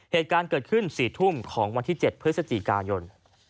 เหตุการณ์เกิดขึ้น๔ทุ่มของวันที่๗พฤศจิกายน